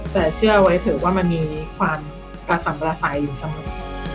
แต่เชื่อไว้เถอะว่ามันมีความกระสัมกระสายอยู่เสมอ